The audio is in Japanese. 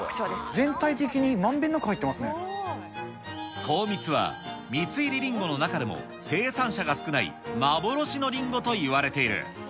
全体的にまんべんなく入ってこうみつは蜜入りりんごの中でも、生産者が少ない幻のりんごといわれている。